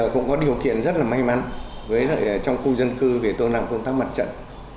cũng có điều kiện rất là may mắn với trong khu dân cư về tôn lăng công tác mặt trận